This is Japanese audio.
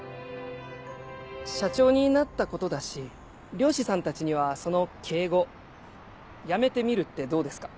社長になったことだし漁師さんたちにはその敬語やめてみるってどうですか？